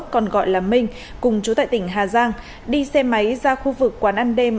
còn gọi là minh cùng chú tại tỉnh hà giang đi xe máy ra khu vực quán ăn đêm